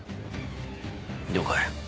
了解。